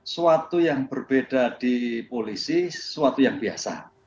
suatu yang berbeda di polisi sesuatu yang biasa